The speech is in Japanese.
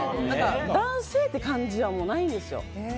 男性って感じではないんですよ。